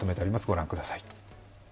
ご覧ください。